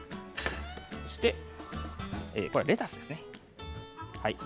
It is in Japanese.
そしてレタスですね。